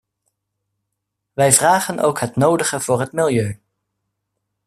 Wij vragen ook het nodige voor het milieu.